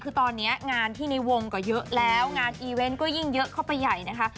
คือตอนนี้งานที่ในวงก็เยอะแล้วงานอีเวนต์ก็ยิ่งเยอะเข้าไปใหญ่นะคะ